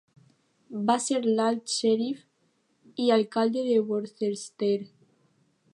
Va ser l'Alt Xèrif i alcalde de Worcester.